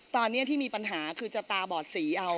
ตอนนี้ที่มีปัญหาคือจะตาบอดสีเอา